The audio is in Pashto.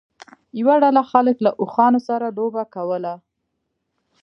یوه ډله خلکو له اوښانو سره لوبه کوله.